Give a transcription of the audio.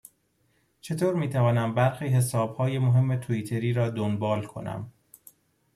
چه طور میتوانم برخی حسابهای مهم توییتری را دنبال کنم؟